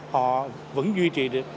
họ vẫn duy trì